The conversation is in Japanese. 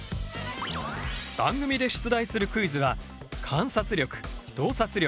番組で出題するクイズは観察力洞察力